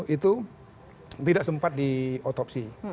itu tidak sempat diotopsi